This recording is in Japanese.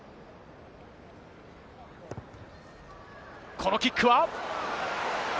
このキックは。